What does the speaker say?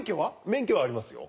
免許はありますよ。